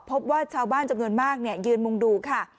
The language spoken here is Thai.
พบว่าชาวบ้านจำนวนมากยืนมุงดูค่ะ